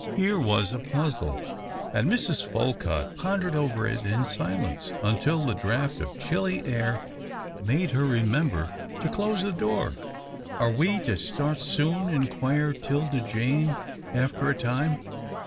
Here was a puzzle, and Mrs. Folcutt pondered over it in silence, until the draught of chilly air made her remember to close the door. "Are we to start soon?" inquired 'Tilda Jane, after a time.